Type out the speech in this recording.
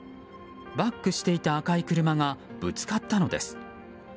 バックしていた赤い車がぶつかったのです。